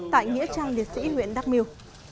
tại nghĩa trang liệt sĩ huyện đắk miêu